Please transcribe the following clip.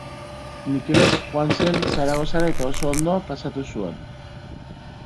Mikelek joan zen Zaragozara eta oso ondo pasatu zuen